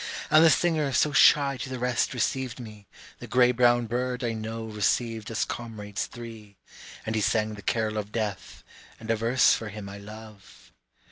And the singer so shy to the rest received me, The gray brown bird I know received us comrades three, And he sang the carol of death, and a verse for him I love.